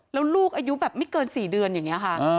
แล้วลูกอายุแบบไม่เกิน๔เดือนอย่างนี้ค่ะ